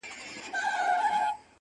سو بېهوښه هغه دم يې زکندن سو-